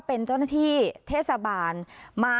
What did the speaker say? มันเป็นสิ่งที่เราไม่ได้รู้สึกว่า